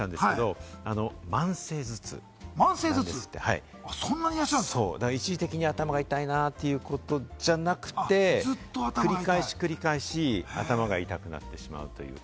僕も聞いてびっくりしたんですけれど、慢性頭痛、一時的に頭が痛いなということじゃなくて、繰り返し繰り返し頭が痛くなってしまう。